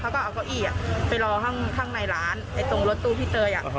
เขาก็เอาเก้าอี้ไปรอข้างในร้านตรงรถตู้พี่เตย